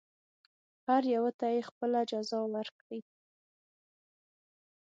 هر یوه ته یې خپله جزا ورکړي.